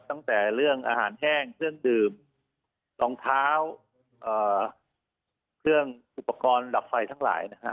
ตั้งแต่เรื่องอาหารแห้งเครื่องดื่มรองเท้าเครื่องอุปกรณ์ดับไฟทั้งหลายนะฮะ